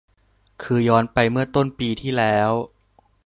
คือย้อนไปเมื่อต้นปีที่แล้ว